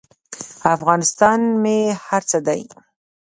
افغانستان مې هر څه دی.